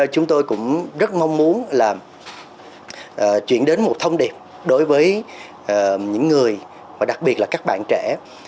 chúng tôi cũng rất mong muốn là chuyển đến một thông điệp đối với những người và đặc biệt là các bạn trẻ